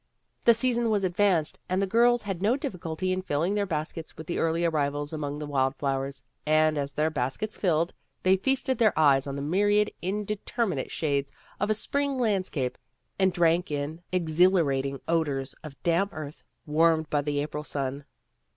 The season w r as advanced and the girls had no difficulty in filling their baskets with the early arrivals among the wild flowers, and as their baskets filled, they feasted their eyes on the myriad indeterminate shades of a spring landscape, and drank in the exhilarating odors of damp earth, warmed by the April sun.